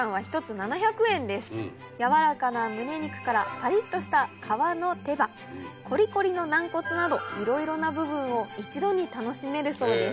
柔らかな胸肉からパリっとした皮の手羽こりこりの軟骨などいろいろな部分を一度に楽しめるそうです。